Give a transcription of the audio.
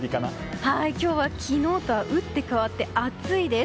今日は昨日とは打って変わって暑いです。